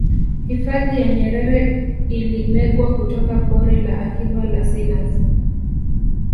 hifadhi ya nyerere ilimegwa kutoka pori la akiba la selous